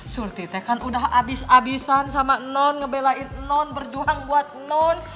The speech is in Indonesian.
surti teh kan udah abis abisan sama non ngebelain non berduang buat non